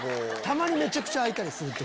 たまにめちゃくちゃ開いたり。